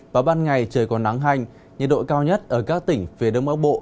vào ban ngày trời còn nắng hành nhiệt độ cao nhất ở các tỉnh phía đông bắc bộ